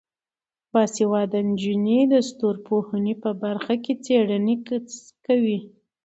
باسواده نجونې د ستورپوهنې په برخه کې څیړنه کوي.